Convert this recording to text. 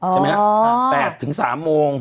ใช่ไหมครับ๘๓โมง